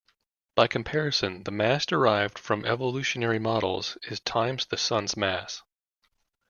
By comparison, the mass derived from evolutionary models is times the Sun's mass.